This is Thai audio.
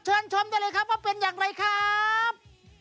ชมได้เลยครับว่าเป็นอย่างไรครับ